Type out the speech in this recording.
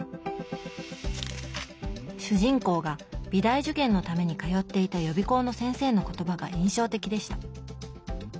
主人公が美大受験のために通っていた予備校の先生の言葉が印象的でした。